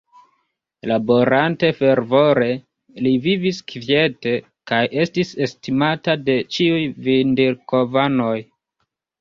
Laborante fervore, li vivis kviete kaj estis estimata de ĉiuj Vindirkovanoj.